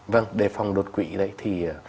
vâng đề phòng đột quỵ đấy thì